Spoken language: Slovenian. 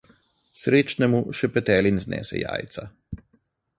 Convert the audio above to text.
Srečnemu še petelin znese jajca.